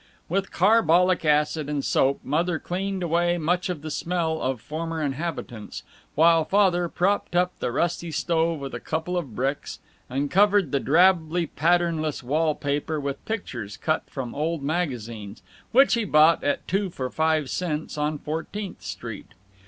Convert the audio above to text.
With carbolic acid and soap Mother cleaned away much of the smell of former inhabitants, while Father propped up the rusty stove with a couple of bricks, and covered the drably patternless wall paper with pictures cut from old magazines, which he bought at two for five cents on Fourteenth Street.